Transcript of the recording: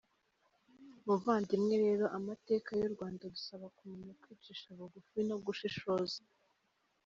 Muvandimwe rero, amateka y’u Rwanda adusaba kumenya kwicisha bugufi no gushishoza.